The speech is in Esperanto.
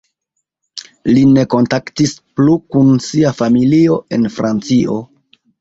Li ne kontaktis plu kun sia familio en Francio.